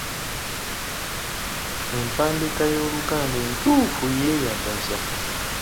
Empandiika y’Oluganda entuufu yeeyagaza.